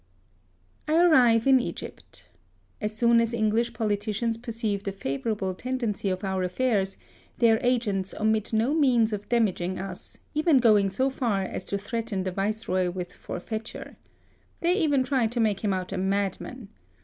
I arrive in Egypt. As soon as English politicians perceive the favourable tendency of ouf affairs, their agents omit no means of damaging us, even going so far as to threaten the Viceroy with forfeiture. They even try to make him out a madman.